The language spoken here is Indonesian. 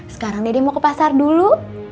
sekarang deddy mau ke pasar dulu